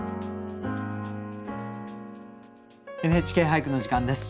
「ＮＨＫ俳句」の時間です。